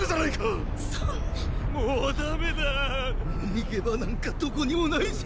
逃げ場なんかどこにも無いぞ！！